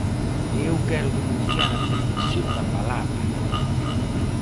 E eu quero denunciar a perversión da palabra.